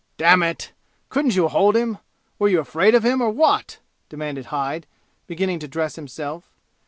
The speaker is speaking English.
"Damn it! couldn't you hold him? Were you afraid of him, or what?" demanded Hyde, beginning to dress himself.